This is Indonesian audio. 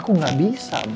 kenapa sih ibu marah